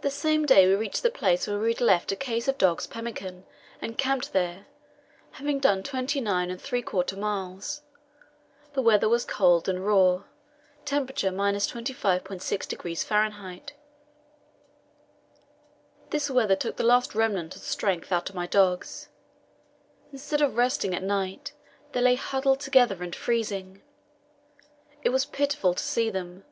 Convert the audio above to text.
The same day we reached the place where we had left a case of dogs' pemmican, and camped there, having done twenty nine and three quarter miles. The weather was cold and raw; temperature, 25.6° F. This weather took the last remnant of strength out of my dogs; instead of resting at night, they lay huddled together and freezing. It was pitiful to see them.